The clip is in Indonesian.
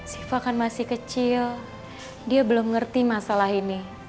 siva kan masih kecil dia belum ngerti masalah ini